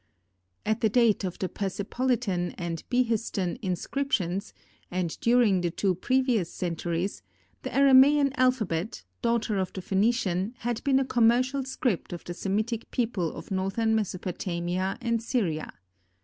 At the date of the Persepolitan and Behistun inscriptions, and during the two previous centuries, the Aramean alphabet, daughter of the Phœnician, had been a commercial script of the Semitic people of northern Mesopotamia and Syria.